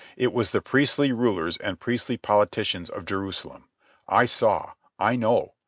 It was the priestly rulers and priestly politicians of Jerusalem. I saw. I know.